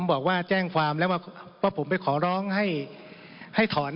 บอกว่าแจ้งความแล้วว่าผมไปขอร้องให้ให้ถอน